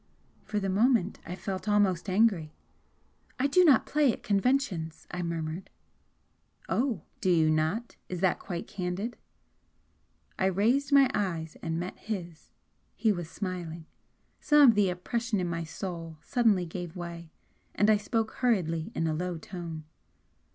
For the moment I felt almost angry. "I do not play at conventions," I murmured. "Oh, do you not? Is that quite candid?" I raised my eyes and met his, he was smiling. Some of the oppression in my soul suddenly gave way, and I spoke hurriedly in a low tone.